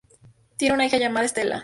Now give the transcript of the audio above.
Tiene una hija llamada Stella.